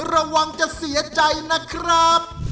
ระวังจะเสียใจนะครับ